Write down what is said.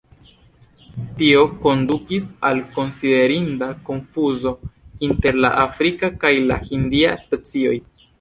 Tio kondukis al konsiderinda konfuzo inter la afrika kaj la hindia specioj.